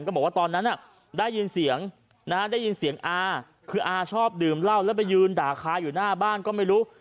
บอกว่าตอนนั้นได้ยินเสียงได้ยินเสียงอาคืออาชอบดื่มเหล้าแล้วไปยืนด่าคาอยู่หน้าบ้านก็ไม่รู้